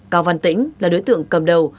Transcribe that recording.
cao văn tĩnh là đối tượng cầm đầu